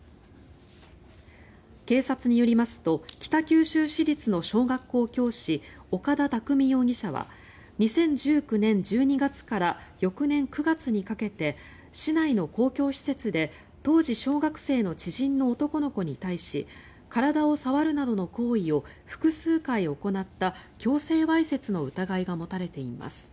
警察によりますと北九州市立の小学校教師岡田拓己容疑者は２０１９年１２月から翌年９月にかけて市内の公共施設で当時小学生の知人の男の子に対し体を触るなどの行為を複数回行った強制わいせつの疑いが持たれています。